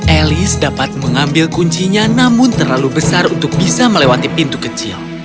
elis dapat mengambil kuncinya namun terlalu besar untuk bisa melewati pintu kecil